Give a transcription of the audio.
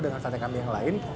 dengan sate kambing yang lain